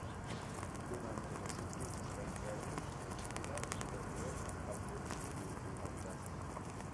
Durante los últimos veinte años de su vida, perdió gran parte de su popularidad.